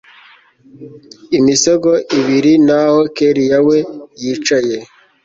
imisego ibiri naho kellia we yicaye